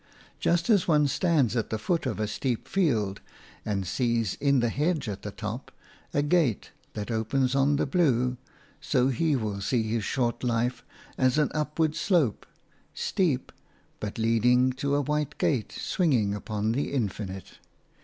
Just as one stands at the foot of a steep field and sees in the hedge at the top a gate that opens on the blue, so he will see his short life as an upward slope – steep, but leading to a white gate swinging upon the infinite.